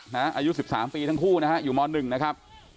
นะฮะอายุสิบสามปีทั้งคู่นะฮะอยู่ม้อนึงนะครับ